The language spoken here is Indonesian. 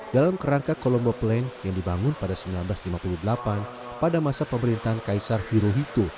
dalam kerangka kolombo plan yang dibangun pada seribu sembilan ratus lima puluh delapan pada masa pemerintahan kaisar hirohitu